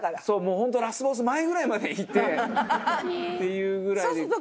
そうもうホントラスボス前くらいまでいってっていうくらいに。